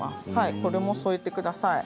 これも添えてください。